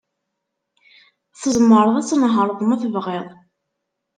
Tzemreḍ ad tnehṛeḍ ma tebɣiḍ.